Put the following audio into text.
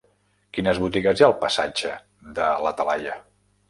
Quines botigues hi ha al passatge de la Talaia?